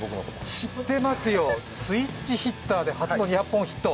知ってますよ、スイッチヒッターで初の２００本ヒット。